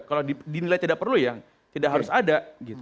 kalau dinilai tidak perlu ya tidak harus ada